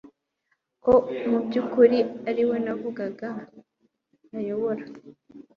ko mu byukuri ari we navuganaga nuyobora